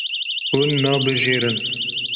Hûn nabijêrin.